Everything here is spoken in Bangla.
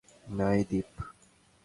না, এই দ্বীপ।